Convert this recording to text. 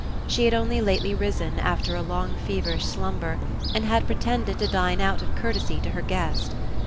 She had only lately risen, after a long feverish slumber, and had pretended to dine out of courtesy to her guest.